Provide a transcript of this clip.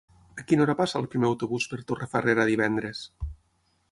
A quina hora passa el primer autobús per Torrefarrera divendres?